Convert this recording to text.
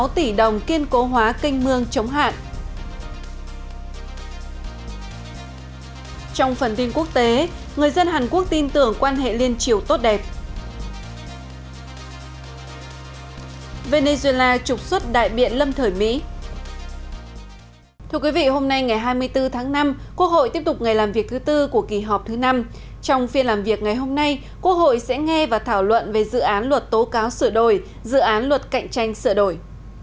trong phiên làm việc ngày hôm nay quốc hội sẽ nghe và thảo luận về dự án luật tố cáo sửa đổi dự án luật cạnh tranh sửa đổi